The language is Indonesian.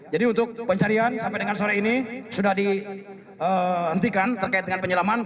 jadi untuk pencarian sampai dengan sore ini sudah dihentikan terkait dengan penyelaman